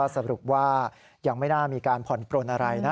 สรุปว่ายังไม่น่ามีการผ่อนปลนอะไรนะ